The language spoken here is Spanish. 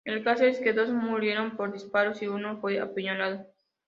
El caso es que dos murieron por disparos y uno fue apuñalado.